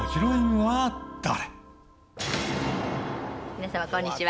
皆様こんにちは。